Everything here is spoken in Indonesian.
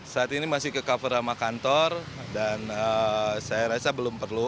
saat ini masih ke cover sama kantor dan saya rasa belum perlu